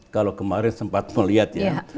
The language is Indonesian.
kalau kemarin sempat melihat ya